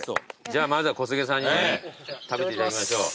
じゃあまずは小菅さんに食べていただきましょう。